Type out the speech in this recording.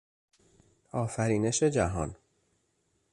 آفرینش جهان